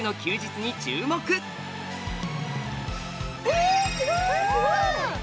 えすごい！